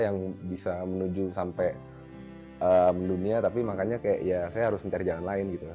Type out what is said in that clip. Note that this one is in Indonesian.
yang bisa menuju sampai mendunia tapi makanya kayak ya saya harus mencari jalan lain gitu